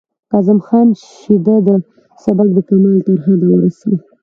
کاظم خان شیدا دا سبک د کمال تر حده ورساوه